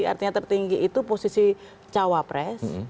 artinya tertinggi itu posisi cawapres